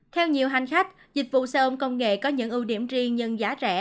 theo nhiều hành khách dịch vụ xe ôm công nghệ có những ưu điểm riêng nhưng giá rẻ